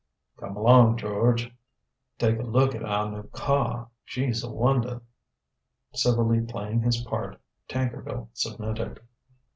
"Come along, George take a look at our new car. She's a wonder!" Civilly playing his part, Tankerville submitted.